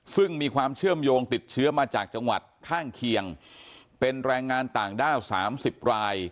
ซึ่งมีความเชื่อมโยงติดเชื้อมาจากจังหวัดข้างเคียงเป็นแรงงานต่างด้าว๓๐ราย